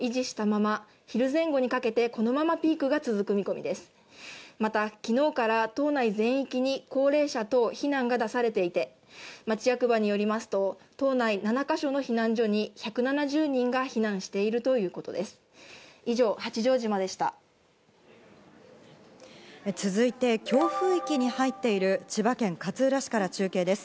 また昨日から島内全域に高齢者等避難が出されていて、町役場によりますと島内７か所の避難所に１７０人が避難しているということです。